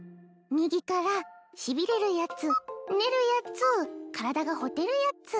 右からしびれるやつ寝るやつ体がほてるやつ